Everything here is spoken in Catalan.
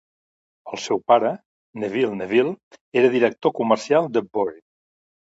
El seu pare, Neville Neville, era director comercial de Bury.